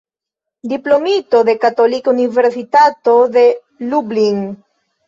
Diplomito de Katolika Universitato de Lublin.